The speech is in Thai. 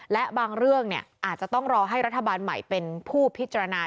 และบางเรื่องอาจจะต้องรอให้รัฐบาลใหม่เป็นผู้พิจารณา